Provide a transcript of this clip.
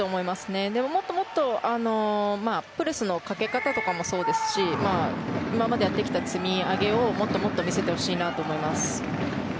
でも、もっともっとプレスのかけ方もそうですけど今までやってきた積み上げをもっともっと見せてほしいなと思います。